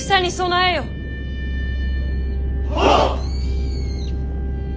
はっ！